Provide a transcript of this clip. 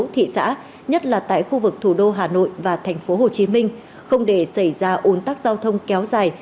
thị xã nhất là tại khu vực thủ đô hà nội và thành phố hồ chí minh không để xảy ra ốn tác giao thông kéo dài